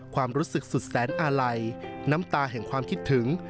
ความรู้สึกสุดแสนอาลัยน้ำตาแห่งความคิดถึง